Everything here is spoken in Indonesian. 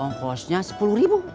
oh kosnya sepuluh ribu